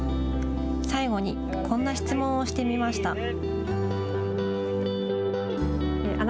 最後にこんな質問をしてみました。